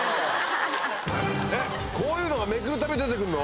えっこういうのがめくるたび出てくるの？